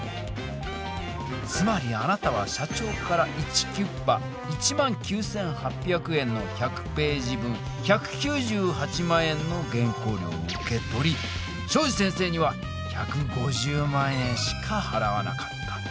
つまりあなたは社長からイチキュッパ１９８００円の１００ページ分１９８万円の原稿料を受け取り東海林先生には１５０万円しかはらわなかった。